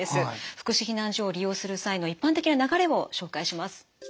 福祉避難所を利用する際の一般的な流れを紹介します。